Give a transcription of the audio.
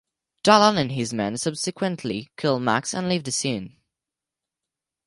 Jalal and his men subsequently kill Max and leave the scene.